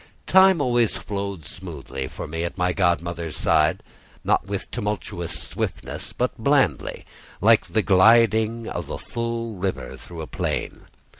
Time always flowed smoothly for me at my godmother's side; not with tumultuous swiftness, but blandly, like the gliding of a full river through a plain.